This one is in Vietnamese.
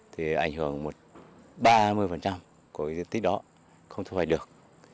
thì ảnh hưởng ba mươi của diện tích đó không thu hoạch được